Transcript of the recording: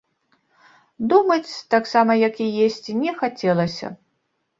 Думаць, таксама як і есці, не хацелася.